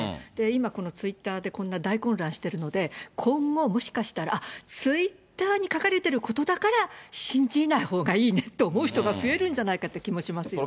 今、このツイッターで大混乱してるので、今後、もしかしたら、ツイッターに書かれていることだから信じないほうがいいねと思う人が増えるんじゃないかって気もしますよね。